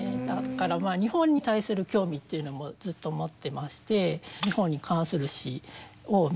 だから日本に対する興味っていうのもずっと持ってまして３つも。